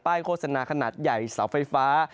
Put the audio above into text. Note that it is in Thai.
โฆษณาขนาดใหญ่เสาไฟฟ้า